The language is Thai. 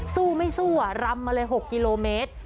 สู้ไม่สู้รำมาเลย๖กิโลเมตร